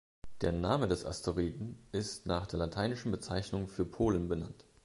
Der Name des Asteroiden ist nach der lateinischen Bezeichnung für Polen benannt.